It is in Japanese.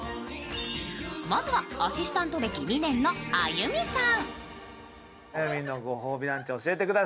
まずはアシスタント歴２年のあゆみさん。